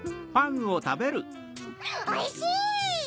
おいしい！